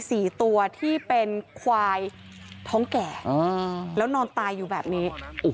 มี๔ตัวที่เป็นไขว่ท้องแก่แล้วนอนตายอยู่แบบนี้